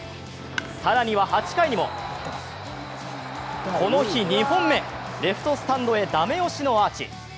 更には８回にも、この日２本目、レフトスタンドへ駄目押しのアーチ。